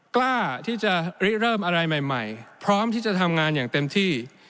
กล้าที่จะเริ่มอะไรใหม่พร้อมที่จะทำงานอย่างเต็มที่